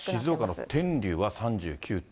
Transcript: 静岡の天竜は３９．４度。